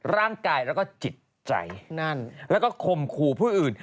ร่างกายและจิตใจและคมครูผู้อื่น